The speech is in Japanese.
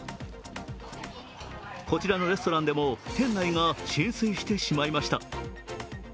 こちらのレストランでも店内が浸水してしまいました。